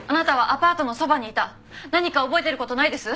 何か覚えてる事ないです？